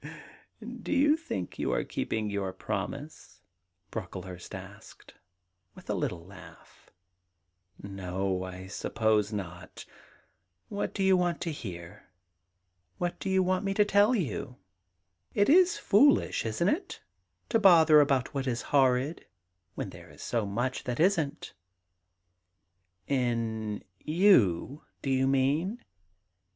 *Do you think you are keeping your promise?' Brocklehurst asked, with a little laugh. ' No ; I suppose not' * What do you want to hear ? AVhat do you want me to tell you ? It is foolish, isn't it, to bother about what is horrid, when there is so much that isn't ?'* In you, do you mean